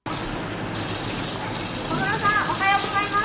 小室さん、おはようございます。